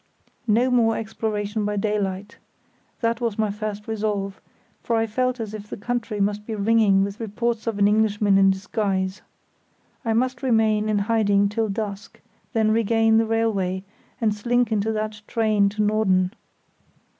No more exploration by daylight! That was my first resolve, for I felt as if the country must be ringing with reports of an Englishman in disguise. I must remain in hiding till dusk, then regain the railway and slink into that train to Norden.